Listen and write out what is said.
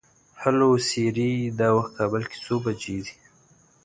هلو سیري! دا وخت کابل کې څو بجې دي؟